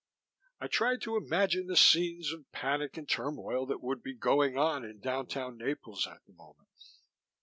I tried to imagine the scenes of panic and turmoil that would be going on in downtown Naples at that moment.